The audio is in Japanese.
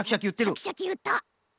シャキシャキいった。